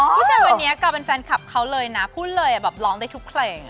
ผู้ชายคนนี้กลายเป็นแฟนคลับเขาเลยนะพูดเลยแบบร้องได้ทุกเพลง